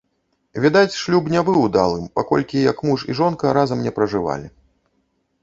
Відаць, шлюб не быў удалым, паколькі як муж і жонка разам ня пражывалі.